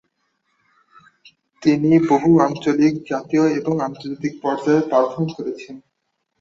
তিনি বহু আঞ্চলিক, জাতীয় এবং আন্তর্জাতিক পর্যায়ে পারফর্ম করেছেন।